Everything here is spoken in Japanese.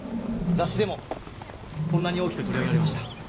雑誌でもこんなに大きく取り上げられました。